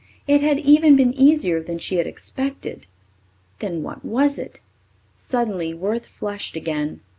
It had even been easier than she had expected. Then what was it? Suddenly Worth flushed again.